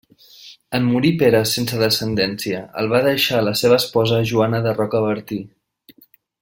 En morir Pere sense descendència, el va deixar a la seva esposa Joana de Rocabertí.